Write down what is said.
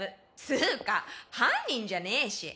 つーか犯人じゃねーし。